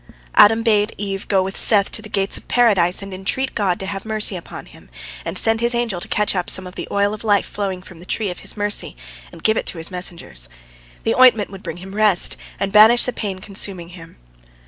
Adam bade Eve go with Seth to the gates of Paradise and entreat God to have mercy upon him, and send His angel to catch up some of the oil of life flowing from the tree of His mercy and give it to his messengers. The ointment would bring him rest, and banish the pain consuming him.